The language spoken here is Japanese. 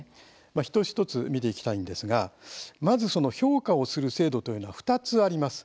一つ一つ見ていきたいんですがまず、その評価をする制度というのは２つあります。